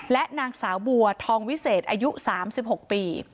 และนางสาวบัวทองวิเศษอายุ๓๖ปี